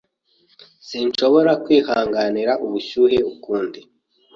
Sinshobora kwihanganira ubushyuhe ukundi.